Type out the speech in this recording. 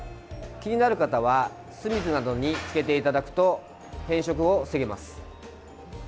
気になる方は酢水などにつけていただくと変色を防げます。